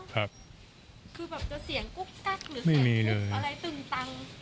คือแบบจะเสียงกุ๊กกั๊กหรือเสียงอะไรตึงตัง